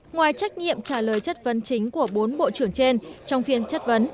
ngoài trách nhiệm trả lời chất vấn chính của bốn bộ trưởng trên trong phiên chất vấn